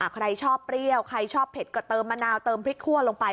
ใครชอบเปรี้ยวใครชอบเผ็ดก็เติมมะนาวเติมพริกคั่วลงไป